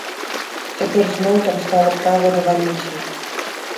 Цяпер зноў там стала права рэвалюцыі.